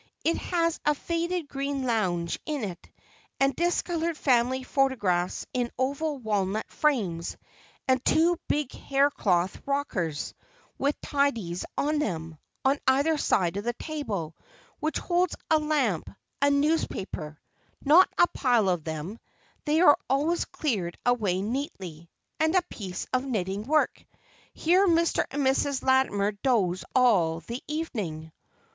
It has a faded green lounge in it, and discolored family photographs in oval walnut frames, and two big haircloth rockers, with tidies on them, on either side of the table, which holds a lamp, a newspaper—not a pile of them, they are always cleared away neatly—and a piece of knitting work. Here Mr. and Mrs. Latimer doze all the evening."